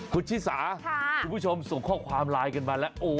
คุณชิสาคุณผู้ชมส่งข้อความไลน์กันมาแล้ว